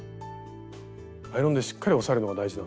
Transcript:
アイロンでしっかり押さえるのが大事なんですね。